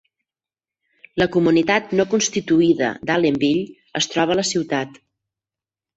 La comunitat no constituïda d'Allenville es troba a la ciutat.